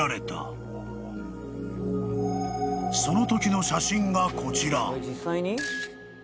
［そのときの写真がこちら］